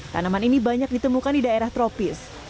tanaman ini banyak ditemukan di daerah tropis